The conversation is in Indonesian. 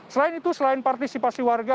selain itu selain partisipasi warga